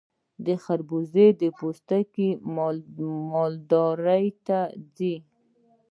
د خربوزې پوستکي مالداري ته ځي.